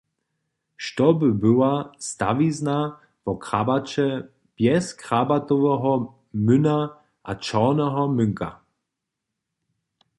Što by była stawizna wo Krabaće bjez Krabatoweho młyna a čorneho młynka!